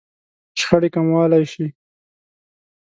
-شخړې کموالی شئ